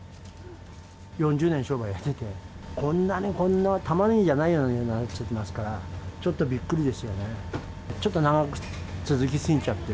４０年商売やってて、こんなね、こんなたまねぎじゃないような値段ついてますから、ちょっとびっくりですよね。